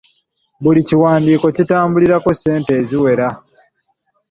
Buli kiwandiiko kitambulirako ssente eziwera.